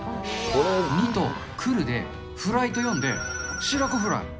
２と来るでフライと読んで、白子フライ。